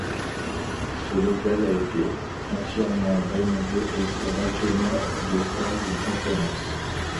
Ce local a été entièrement rénové et sert actuellement de salle de conférence.